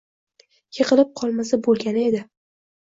Yiqilib qolmasa bo‘lgani edi.